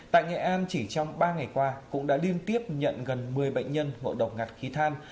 tại nghệ an chỉ trong ba ngày qua cũng đã liên tiếp nhận gần một mươi bệnh nhân ngộ độc ngạt khí than